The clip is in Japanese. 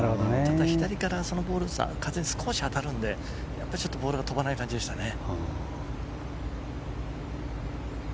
左から風が少し当たるのでボールが飛ばない感じでしたね。